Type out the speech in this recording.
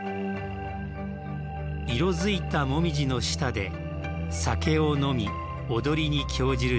色づいたモミジの下で酒を飲み、踊りに興じる男性。